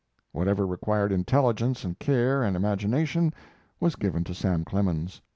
Whatever required intelligence and care and imagination was given to Sam Clemens.